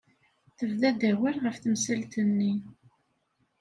Tebda-d awal ɣef temsalt-nni.